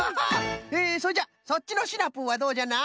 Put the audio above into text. えそれじゃそっちのシナプーはどうじゃな？